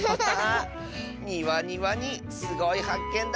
ニワにワニすごいはっけんだ！